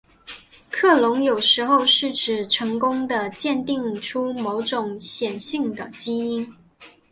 克隆有时候是指成功地鉴定出某种显性的基因。